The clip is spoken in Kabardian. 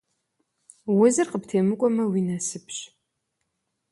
Узыр къыптемыкӀуэмэ, уи насыпщ.